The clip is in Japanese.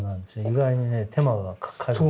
意外にね手間がかかる。